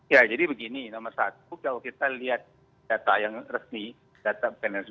ya jadi begini nomor satu kalau kita lihat data yang resmi data financial